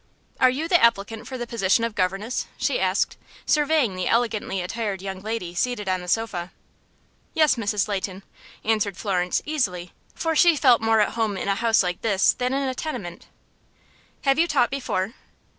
"Are you the applicant for the position of governess?" she asked, surveying the elegantly attired young lady seated on the sofa. "Yes, Mrs. Leighton," answered Florence, easily, for she felt more at home in a house like this than in the tenement. "Have you taught before?"